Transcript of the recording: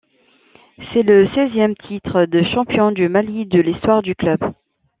C'est le seizième titre de champion du Mali de l'histoire du club.